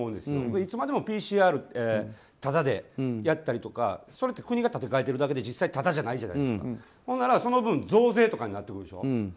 いつまでもＰＣＲタダでやったりとか、それって国が立て替えてるだけで実際にタダじゃないじゃないですかその分増税とかになってくるでしょ。